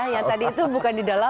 ya yang tadi itu bukan dibawa